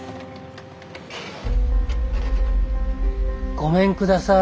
ごめんください。